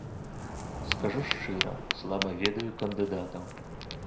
Скажу шчыра, слаба ведаю кандыдатаў.